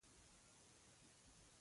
ورته یې وویل د ځنګل او ونو خبرې پرېږده.